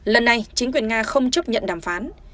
lần này chính quyền nga không chấp nhận đàm phán